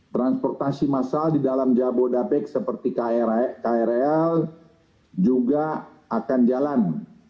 transportasi massal di dalam jabodebek seperti krl juga akan jalan